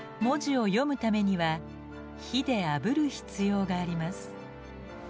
文字を読むためには火であぶる必要があります。